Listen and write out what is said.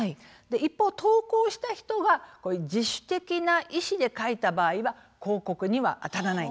一方投稿した人が自主的な意思で書いた場合は広告にはあたらないんですね。